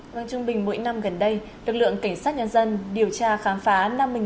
vâng trung bình mỗi năm gần đây lực lượng cảnh sát nhân dân điều tra khám phá